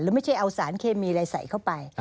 ไม่ใช่เอาสารเคมีอะไรใส่เข้าไป